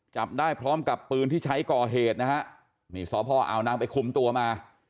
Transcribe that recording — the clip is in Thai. จับได้พร้อมกับปืนที่ใช้ก่อเหตุนะฮะนี่สพอาวนางไปคุมตัวมา